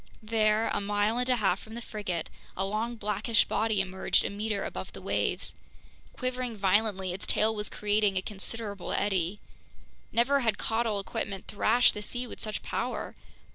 There, a mile and a half from the frigate, a long blackish body emerged a meter above the waves. Quivering violently, its tail was creating a considerable eddy. Never had caudal equipment thrashed the sea with such power.